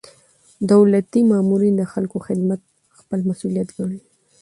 دولتي مامورین د خلکو خدمت خپل مسؤلیت ګڼي.